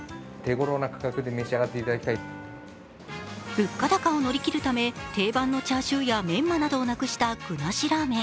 物価高を乗り切るため、定番のチャーシューやメンマなどをなくした具なしラーメン。